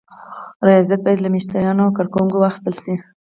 رضایت باید له مشتریانو او کارکوونکو واخیستل شي.